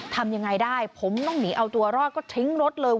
ทำยังไงได้ผมต้องหนีเอาตัวรอดก็ทิ้งรถเลย